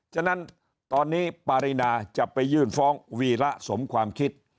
ฉะนั้นตอนนี้ปารินาจะไปยื่นฟ้องวีระสมความคิด